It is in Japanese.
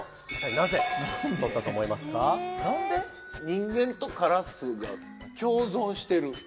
人間とカラスが共存してる。